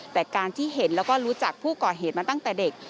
แต่การที่เห็นแล้วก็รู้จักผู้ก่อเหตุมาตั้งแต่เด็ก